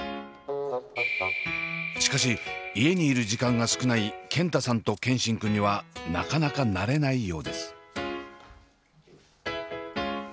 しかし家にいる時間が少ない健太さんと健新くんにはなかなか慣れないようです。